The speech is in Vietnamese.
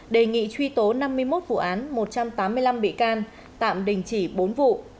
đề nghị truy tố năm mươi một vụ án một trăm tám mươi năm bị can tạm đình chỉ bốn vụ